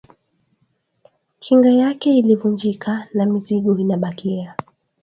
Kinga yake ilivunjika na mizigo inabakia